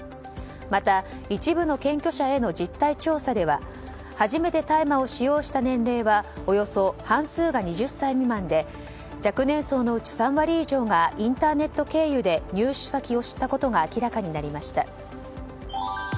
また一部の検挙者への実態調査では初めて大麻を使用した年齢はおよそ半数が２０歳未満で若年層のうち３割以上がインターネット経由で入手先を知ったことが明らかになりました。